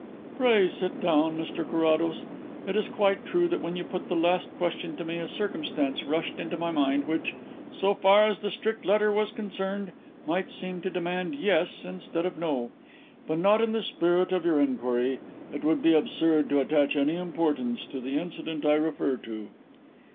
"Pray sit down, Mr Carrados. It is quite true that when you put the last question to me a circumstance rushed into my mind which so far as the strict letter was concerned might seem to demand 'Yes' instead of 'No.' But not in the spirit of your inquiry. It would be absurd to attach any importance to the incident I refer to."